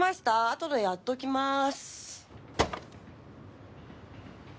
あとでやっときまーす。